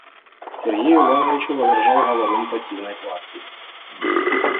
Сергею Ивановичу возражал говорун противной партии.